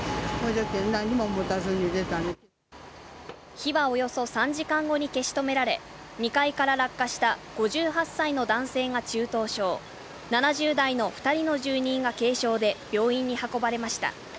火はおよそ３時間後に消し止められ、２階から落下した５８歳の男性が中等症、７０代の２人の住人が軽傷で病院に運ばれました。